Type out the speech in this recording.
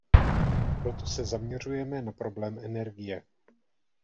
Proto se zaměřujeme na problém energie.